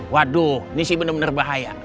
waduh ini sih bener bener bahaya